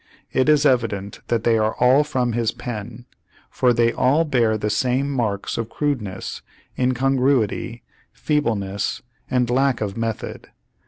It is evident that they are all from his pen; for they all bear the same marks of crudeness, incongruity, feebleness and lack of method.